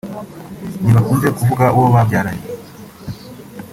ntibakunze kuvuga uwo babyaranye